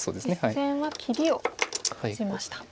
実戦は切りを打ちました。